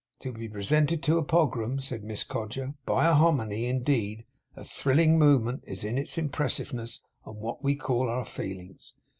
'To be presented to a Pogram,' said Miss Codger, 'by a Hominy, indeed, a thrilling moment is it in its impressiveness on what we call our feelings.